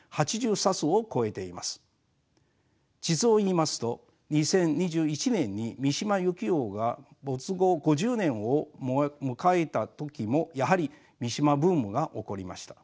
実を言いますと２０２１年に三島由紀夫が没後５０年を迎えた時もやはり三島ブームが起こりました。